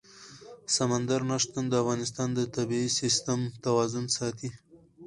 سمندر نه شتون د افغانستان د طبعي سیسټم توازن ساتي.